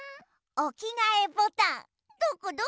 おきがえボタンどこ？